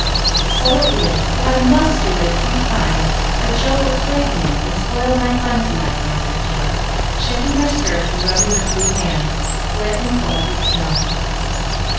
"So it is; but I must do it a few times, or Joe will plague me and spoil my fun to night," answered Jill, shaking her skirts and rubbing her blue hands, wet and cold with the snow.